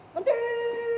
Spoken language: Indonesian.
z paten audi